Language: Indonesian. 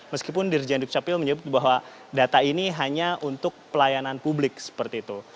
meskipun dirjen dukcapil menyebut bahwa data ini hanya untuk pelayanan publik seperti itu